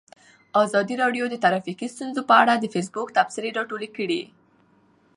ازادي راډیو د ټرافیکي ستونزې په اړه د فیسبوک تبصرې راټولې کړي.